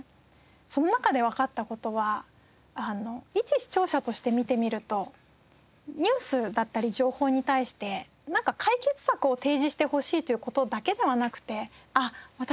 その中でわかった事はいち視聴者として見てみるとニュースだったり情報に対して解決策を提示してほしいという事だけではなくてあっ私